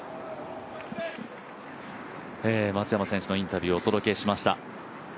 松山選手のインタビューをお届けしました。